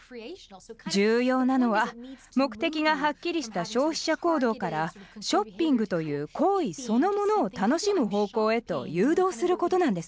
重要なのは目的がハッキリした消費者行動からショッピングという行為そのものを楽しむ方向へと誘導することなんです。